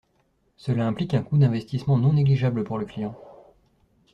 Cela implique un coût d’investissement non négligeable pour le client.